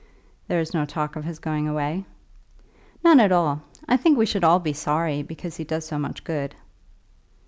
"There is no talk of his going away." "None at all. I think we should all be sorry, because he does so much good."